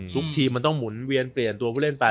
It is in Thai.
ทีมมันต้องหมุนเวียนเปลี่ยนตัวผู้เล่นไป